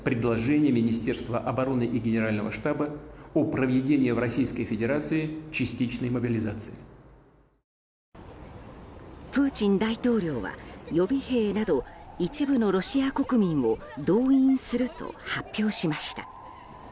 プーチン大統領は予備兵など一部のロシア国民を動員すると発表しました。